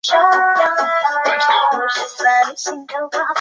音乐录影带在伊豆半岛下田市的私人海滩拍摄。